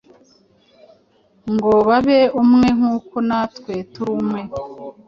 ngo babe umwe, nk’uko natwe turi umwe.”